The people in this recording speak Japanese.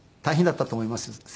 大変だったと思いますよ